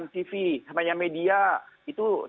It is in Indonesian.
tv namanya media itu